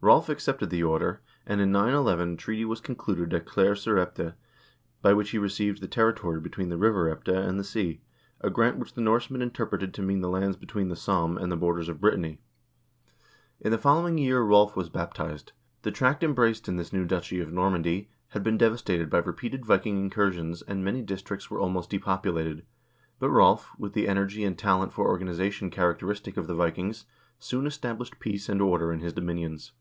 Rolv accepted the offer, and in 911 a treaty was concluded at Claire sur Epte by which he received the territory between the river Epte and the sea, a grant which the Norsemen interpreted to mean the lands between the Somme and the borders of Brittany. In the fol 146 HISTORY OF THE NORWEGIAN PEOPLE lowing year Rolv was baptized. The tract embraced in this new duchy of Normandy had been devastated by repeated Viking incur sions, and many districts were almost depopulated, but Rolv, with the energy and talent for organization characteristic of the Vikings, soon established peace and order in his dominions.